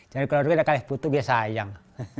jadi kalau ada yang butuh saya sayang